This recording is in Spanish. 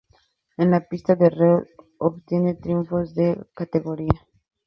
En la pista de Reus, obtiene triunfos de categoría.